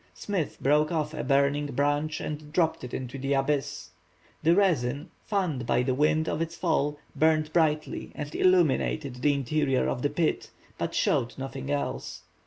Smith broke off a burning branch and dropped it into the abyss. The resin, fanned by the wind of its fall, burned brightly and illuminated the interior of the pit, but showed nothing else.